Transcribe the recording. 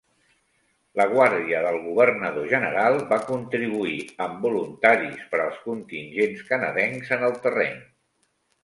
La guàrdia del Governador General va contribuir amb voluntaris per als contingents canadencs en el terreny.